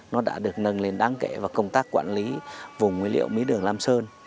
nó đã được nâng lên đáng kể và công tác quản lý vùng nguyên liệu mỹ đường lam sơn